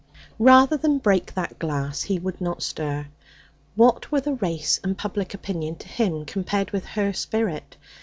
Rather than break that glass he would not stir. What were the race and public opinion to him compared with her spirit?